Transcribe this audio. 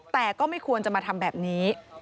แต่ก็ไม่ควรจะมาทำแบบนี้